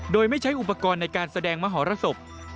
โดยไม่ใช้อุปกรณ์ในการแสดงมหรสบ